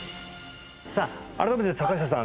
さあ改めて坂下さん